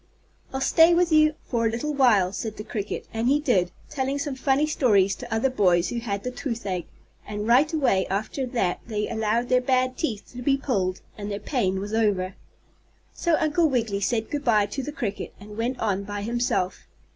"I'll stay with you for a little while," said the cricket, and he did, telling some funny stories to other boys who had the toothache, and right away after that they allowed their bad teeth to be pulled, and their pain was over. So Uncle Wiggily said good by to the cricket and went on by himself.